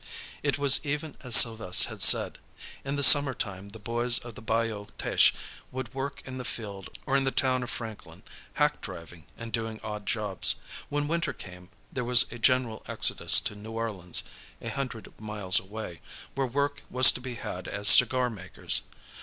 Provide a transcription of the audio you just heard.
It was even as Sylves' had said. In the summer time the boys of the Bayou Teche would work in the field or in the town of Franklin, hack driving and doing odd jobs. When winter came, there was a general exodus to New Orleans, a hundred miles away, where work was to be had as cigar makers.